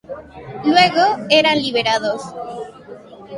Luego eran liberados.